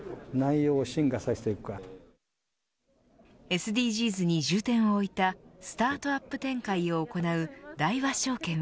ＳＤＧｓに重点を置いたスタートアップ展開を行う大和証券は。